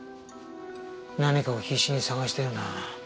何かを必死に探したような。